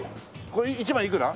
これ１枚いくら？